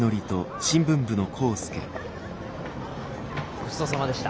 ごちそうさまでした。